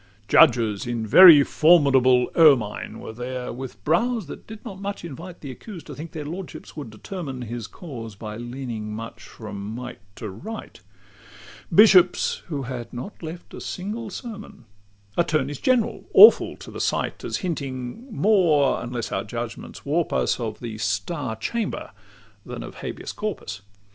LXIX Judges in very formidable ermine Were there, with brows that did not much invite The accused to think their lordships would determine His cause by leaning much from might to right: Bishops, who had not left a single sermon: Attorneys general, awful to the sight, As hinting more (unless our judgments warp us) Of the "Star Chamber" than of "Habeas Corpus."